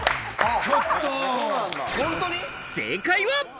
正解は。